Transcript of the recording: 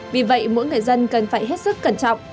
vì vậy mỗi người dân cần phải hết sức cẩn trọng